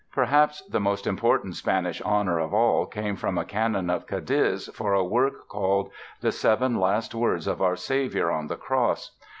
Perhaps the most important Spanish honor of all came from a canon of Cadiz for a work called "The Seven Last Words of Our Saviour on the Cross".